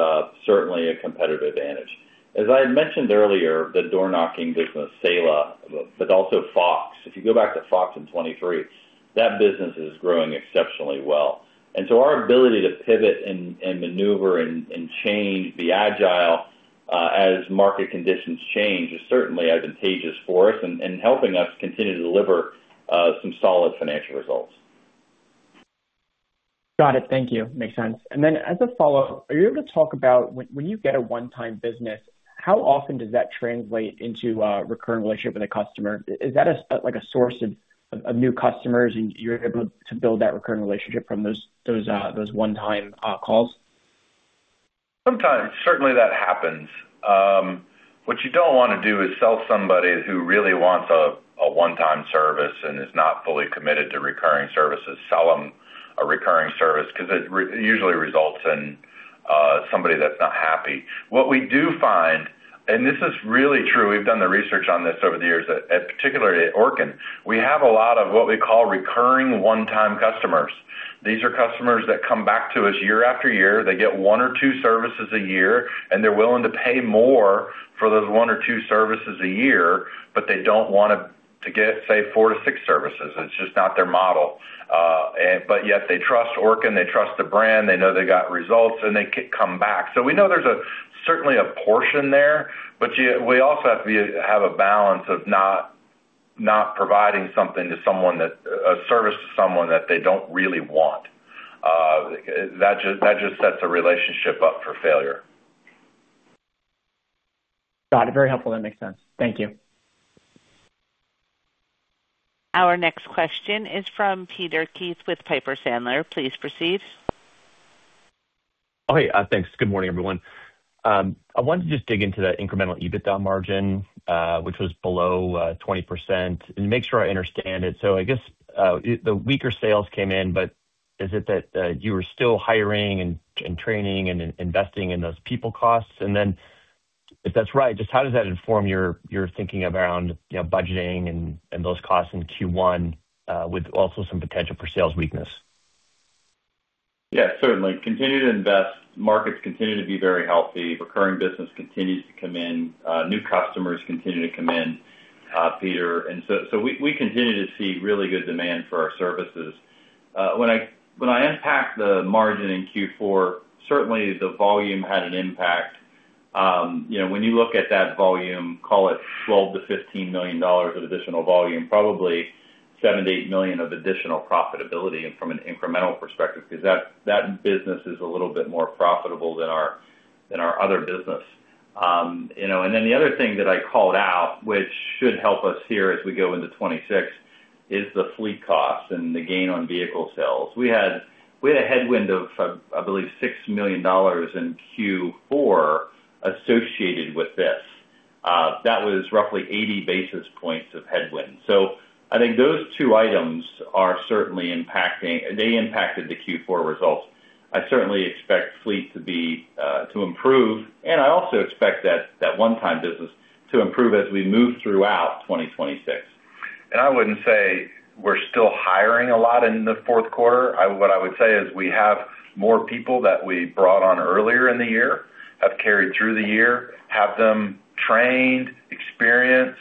certainly a competitive advantage. As I had mentioned earlier, the door-knocking business, Saela, but also Fox. If you go back to Fox in 2023, that business is growing exceptionally well. And so our ability to pivot and maneuver and change, be agile, as market conditions change, is certainly advantageous for us and helping us continue to deliver some solid financial results. Got it. Thank you. Makes sense. And then, as a follow-up, are you able to talk about when, when you get a one-time business, how often does that translate into a recurring relationship with a customer? Is that a, like, a source of, of new customers, and you're able to build that recurring relationship from those, those one-time calls? Sometimes, certainly, that happens. What you don't want to do is sell somebody who really wants a one-time service and is not fully committed to recurring services, sell them a recurring service, 'cause it usually results in somebody that's not happy. What we do find, and this is really true, we've done the research on this over the years, particularly at Orkin, we have a lot of what we call recurring one-time customers. These are customers that come back to us year after year. They get one or two services a year, and they're willing to pay more for those one or two services a year, but they don't want to get, say, four to six services. It's just not their model. And but yet they trust Orkin, they trust the brand, they know they got results, and they come back. So we know there's certainly a portion there, but we also have to have a balance of not providing a service to someone that they don't really want. That just sets the relationship up for failure. Got it. Very helpful. That makes sense. Thank you. Our next question is from Peter Keith with Piper Sandler. Please proceed. Oh, hey, thanks. Good morning, everyone. I wanted to just dig into the incremental EBITDA margin, which was below 20%, and make sure I understand it. So I guess, the weaker sales came in, but is it that you were still hiring and, and training and investing in those people costs? And then, if that's right, just how does that inform your, your thinking around, you know, budgeting and, and those costs in Q1, with also some potential for sales weakness? Yeah, certainly. Continue to invest. Markets continue to be very healthy. Recurring business continues to come in. New customers continue to come in, Peter. And so we continue to see really good demand for our services. When I unpack the margin in Q4, certainly the volume had an impact. You know, when you look at that volume, call it $12 million-$15 million of additional volume, probably $7-$8 million of additional profitability from an incremental perspective, because that business is a little bit more profitable than our other business. You know, and then the other thing that I called out, which should help us here as we go into 2026, is the fleet costs and the gain on vehicle sales. We had, we had a headwind of, I believe, $6 million in Q4 associated with this. That was roughly 80 basis points of headwind. So I think those two items are certainly impacting, they impacted the Q4 results. I certainly expect fleet to be, to improve, and I also expect that, that one-time business to improve as we move throughout 2026. And I wouldn't say we're still hiring a lot in the fourth quarter. What I would say is we have more people that we brought on earlier in the year, have carried through the year, have them trained, experienced,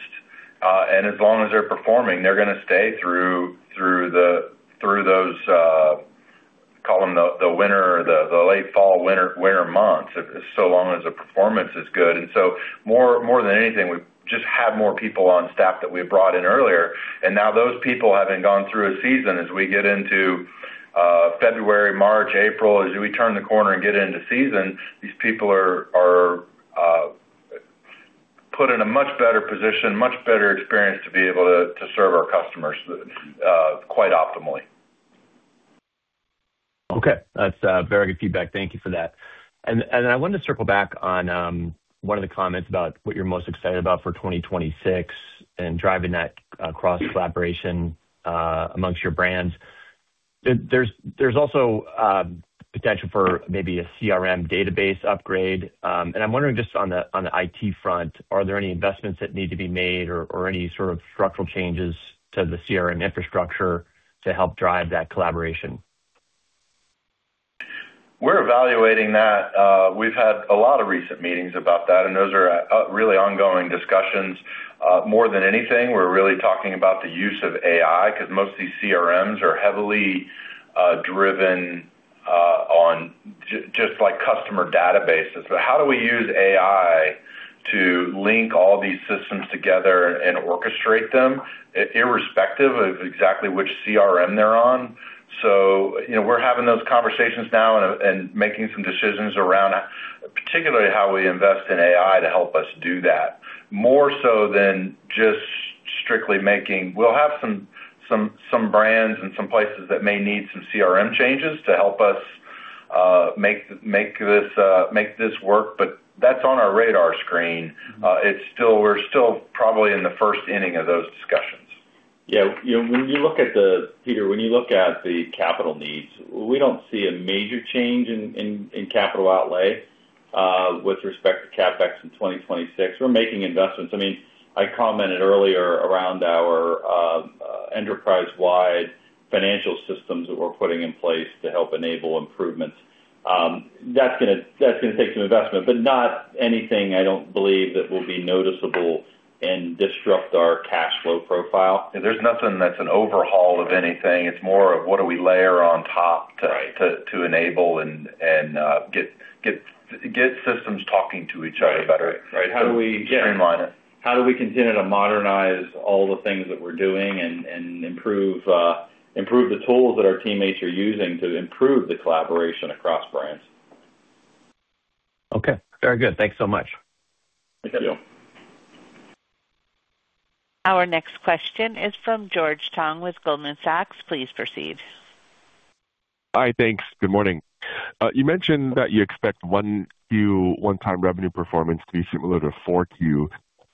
and as long as they're performing, they're gonna stay through those, call them the winter, the late fall, winter months, so long as the performance is good. And so more than anything, we've just had more people on staff that we brought in earlier, and now those people having gone through a season as we get into February, March, April, as we turn the corner and get into season, these people are put in a much better position, much better experience to be able to serve our customers quite optimally. Okay. That's very good feedback. Thank you for that. And I wanted to circle back on one of the comments about what you're most excited about for 2026 and driving that cross-collaboration amongst your brands. There's also potential for maybe a CRM database upgrade. And I'm wondering just on the IT front, are there any investments that need to be made or any sort of structural changes to the CRM infrastructure to help drive that collaboration? We're evaluating that. Recent meetings about that, and those are really ongoing discussions. More than anything, we're really talking about the use of AI, because most of these CRMs are heavily driven on just, like, customer databases. So how do we use AI to link all these systems together and orchestrate them, irrespective of exactly which CRM they're on? So, you know, we're having those conversations now and making some decisions around, particularly how we invest in AI to help us do that, more so than just strictly making. We'll have some brands and some places that may need some CRM changes to help us make this work, but that's on our radar screen. It's still - we're still probably in the first inning of those discussions. Yeah. You know, when you look at the, Peter, when you look at the capital needs, we don't see a major change in capital outlay with respect to CapEx in 2026. We're making investments. I mean, I commented earlier around our enterprise-wide financial systems that we're putting in place to help enable improvements. That's gonna take some investment, but not anything, I don't believe, that will be noticeable and disrupt our cash flow profile. There's nothing that's an overhaul of anything. It's more of what do we layer on top to enable and get systems talking to each other better. Right. How do we streamline it? How do we continue to modernize all the things that we're doing and improve the tools that our teammates are using to improve the collaboration across brands? Okay, very good. Thanks so much. Thank you. Our next question is from George Tong with Goldman Sachs. Please proceed. Hi. Thanks. Good morning. You mentioned that you expect 1Q one-time revenue performance to be similar to 4Q.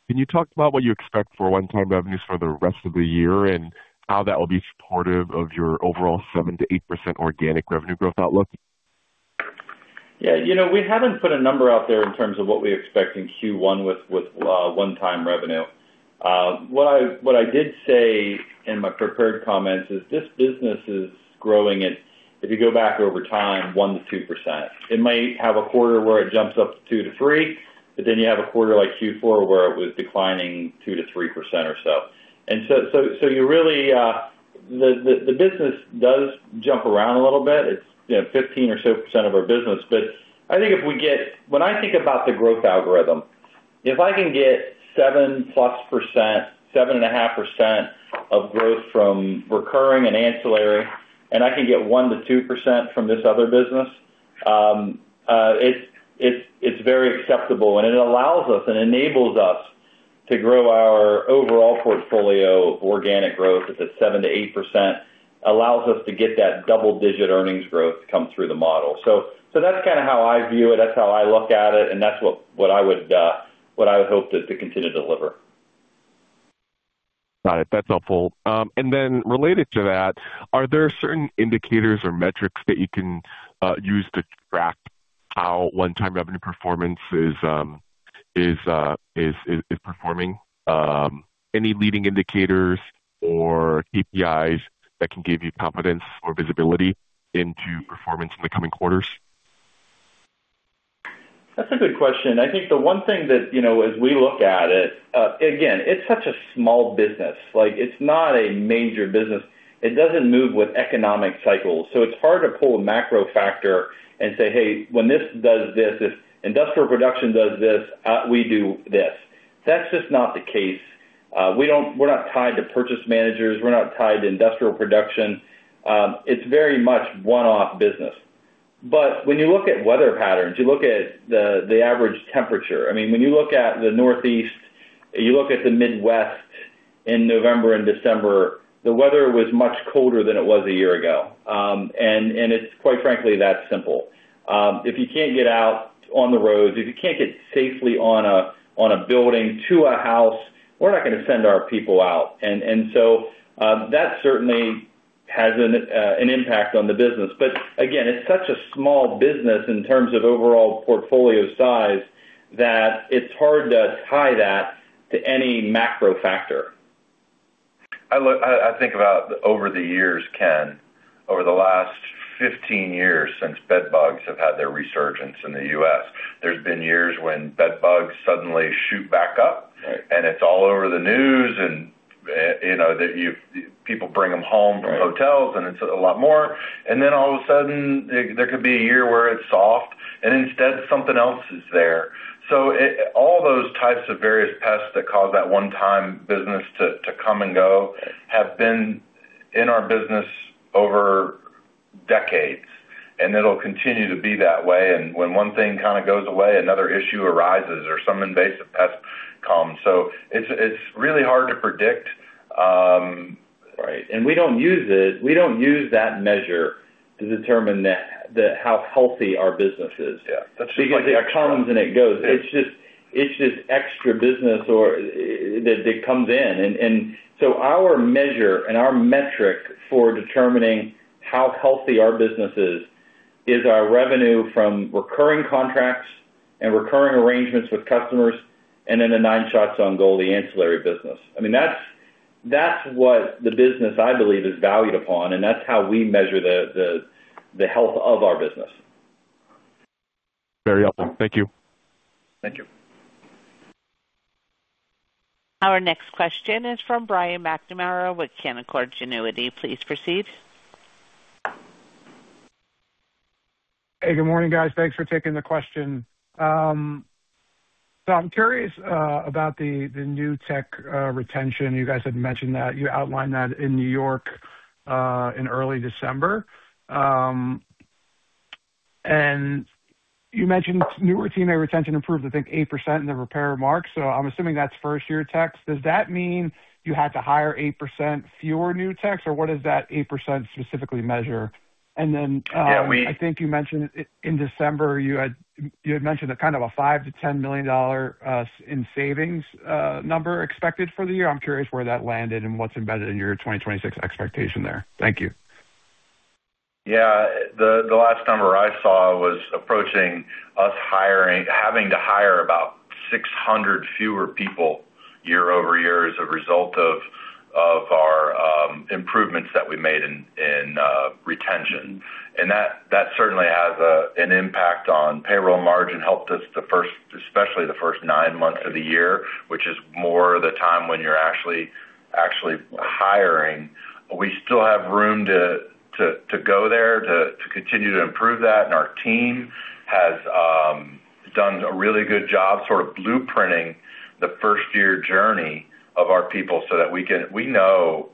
Can you talk about what you expect for one-time revenues for the rest of the year and how that will be supportive of your overall 7%-8% organic revenue growth outlook? Yeah. You know, we haven't put a number out there in terms of what we expect in Q1 with one-time revenue. What I did say in my prepared comments is this business is growing at, if you go back over time, 1%-2%. It might have a quarter where it jumps up to 2%-3%, but then you have a quarter like Q4, where it was declining 2%-3% or so. And so you really, the business does jump around a little bit. It's, you know, 15% or so of our business. But I think, when I think about the growth algorithm, if I can get 7%+, 7.5% of growth from recurring and ancillary, and I can get 1%-2% from this other business, it's very acceptable, and it allows us and enables us to grow our overall portfolio. Organic growth is at 7%-8%, allows us to get that double-digit earnings growth to come through the model. So that's kind of how I view it, that's how I look at it, and that's what I would hope to continue to deliver. Got it. That's helpful. And then related to that, are there certain indicators or metrics that you can use to track how one-time revenue performance is performing? Any leading indicators or KPIs that can give you confidence or visibility into performance in the coming quarters? That's a good question. I think the one thing that, you know, as we look at it, again, it's such a small business. Like, it's not a major business. It doesn't move with economic cycles, so it's hard to pull a macro factor and say, "Hey, when this does this, if industrial production does this, we do this." That's just not the case. We don't. We're not tied to purchase managers. We're not tied to industrial production. It's very much one-off business. But when you look at weather patterns, you look at the average temperature, I mean, when you look at the Northeast, you look at the Midwest in November and December, the weather was much colder than it was a year ago. And it's quite frankly that simple. If you can't get out on the roads, if you can't get safely on a building to a house, we're not gonna send our people out. So, that certainly has an impact on the business. But again, it's such a small business in terms of overall portfolio size, that it's hard to tie that to any macro factor. I think about over the years, Ken, over the last 15 years since bedbugs have had their resurgence in the U.S., there's been years when bedbugs suddenly shoot back up and it's all over the news, and, you know, that you-- people bring them home from hotels and it's a lot more. And then all of a sudden, there could be a year where it's soft, and instead, something else is there. So it all those types of various pests that cause that one-time business to come and go, have been in our business over decades, and it'll continue to be that way. And when one thing kind of goes away, another issue arises or some invasive pest comes. So it's really hard to predict. Right. And we don't use it. We don't use that measure to determine the how healthy our business is. Yeah. Because it comes and it goes. Yeah. It's just extra business or that that comes in. And so our measure and our metric for determining how healthy our business is, is our revenue from recurring contracts and recurring arrangements with customers, and then the nine shots on goal, the ancillary business. I mean, that's what the business, I believe, is valued upon, and that's how we measure the health of our business. Very helpful. Thank you. Thank you. Our next question is from Brian McNamara with Canaccord Genuity. Please proceed. Hey, good morning, guys. Thanks for taking the question. So I'm curious about the new tech retention. You guys had mentioned that. You outlined that in New York in early December. And you mentioned newer team retention improved, I think, 8% in the repair mark, so I'm assuming that's first-year techs. Does that mean you had to hire 8% fewer new techs, or what does that 8% specifically measure? And then, I think you mentioned in December, you had mentioned a kind of a $5 million-$10 million in savings number expected for the year. I'm curious where that landed and what's embedded in your 2026 expectation there. Thank you. Yeah. The last number I saw was approaching us hiring, having to hire about 600 fewer people year-over-year as a result of our improvements that we made in retention. And that certainly has an impact on payroll margin. Helped us the first, especially the first nine months of the year, which is more the time when you're actually hiring. We still have room to go there, to continue to improve that. And our team has done a really good job sort of blueprinting the first-year journey of our people so that we can. We know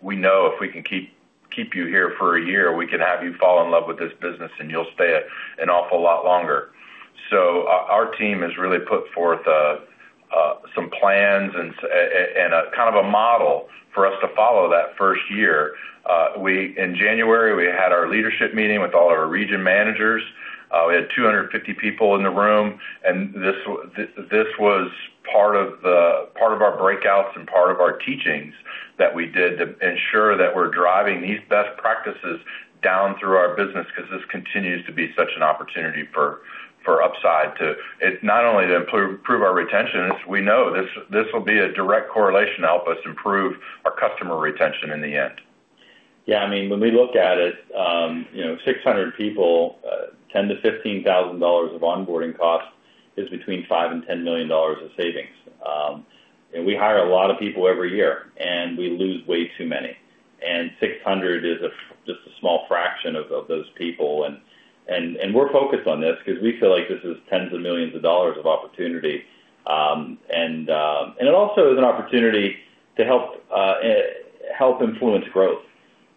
we know if we can keep you here for a year, we can have you fall in love with this business, and you'll stay an awful lot longer. So our team has really put forth some plans and a kind of a model for us to follow that first year. In January, we had our leadership meeting with all our region managers. We had 250 people in the room, and this was part of our breakouts and part of our teachings that we did to ensure that we're driving these best practices down through our business, because this continues to be such an opportunity for upside to. It's not only to improve our retention, it's we know this will be a direct correlation to help us improve our customer retention in the end. Yeah, I mean, when we look at it, you know, 600 people, $10,000-$15,000 of onboarding cost is between $5 million-$10 million of savings. And we hire a lot of people every year, and we lose way too many. And 600 is just a small fraction of those people. And we're focused on this because we feel like this is tens of millions of dollars of opportunity. And it also is an opportunity to help influence growth.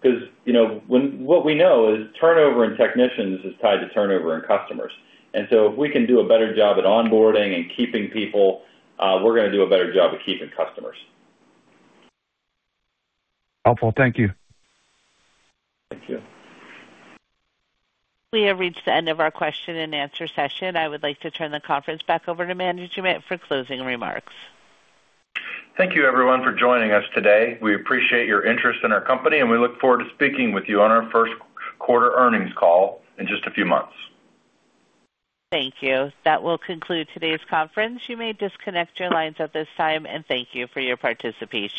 'Cause, you know, what we know is turnover in technicians is tied to turnover in customers. And so if we can do a better job at onboarding and keeping people, we're gonna do a better job at keeping customers. Helpful. Thank you. Thank you. We have reached the end of our question-and-answer session. I would like to turn the conference back over to management for closing remarks. Thank you, everyone, for joining us today. We appreciate your interest in our company, and we look forward to speaking with you on our first quarter earnings call in just a few months. Thank you. That will conclude today's conference. You may disconnect your lines at this time, and thank you for your participation.